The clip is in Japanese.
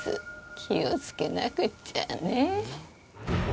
気をつけなくっちゃね。